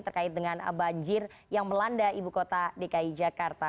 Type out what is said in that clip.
terkait dengan banjir yang melanda ibu kota dki jakarta